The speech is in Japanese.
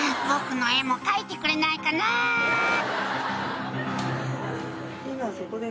「僕の絵も描いてくれないかな」え！